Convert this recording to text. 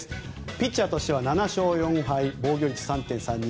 ピッチャーとしては７勝４敗防御率３．３２